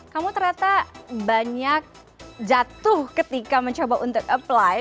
kamu ternyata banyak jatuh ketika mencoba untuk apply